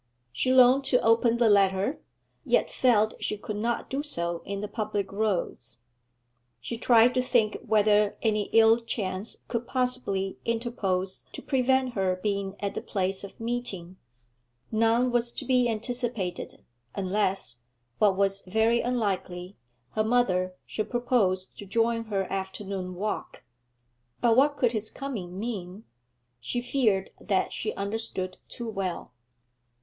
She longed to open the letter, yet felt she could not do so in the public roads. She tried to think whether any ill chance could possibly interpose to prevent her being at the place of meeting; none was to be anticipated, unless, what was very unlikely, her mother should propose to join her afternoon walk. But what could his coming mean? She feared that she understood too well.